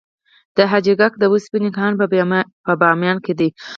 د حاجي ګک د وسپنې کان په بامیان کې دی